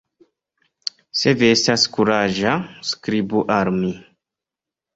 Se vi estas kuraĝa, skribu al mi!